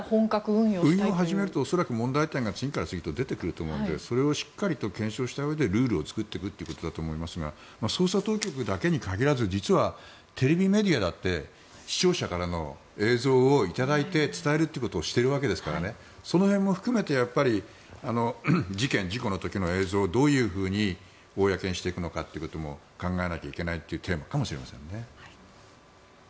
運用を始めると恐らく問題点が次から次へと出てくると思うのでそれをしっかりと検証したうえでルールを作っていくということだと思いますが捜査当局だけに限らず実は、テレビメディアだって視聴者からの映像を頂いて伝えるということをしているわけですからねその辺も含めて事件・事故の時の映像をどういうふうに公にしていくのかということも考えなきゃいけない点かもしれませんね。